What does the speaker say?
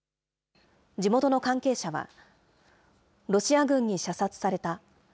地元の関係者は、ロシア軍に射殺された。